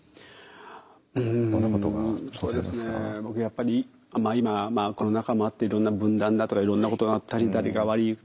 僕やっぱりまあ今コロナ禍もあっていろんな分断だとかいろんなことがあったり誰が悪い。